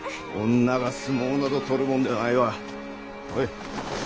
女が相撲など取るもんではないわ。ほい。